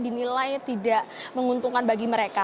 dinilai tidak menguntungkan bagi mereka